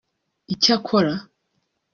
icyakora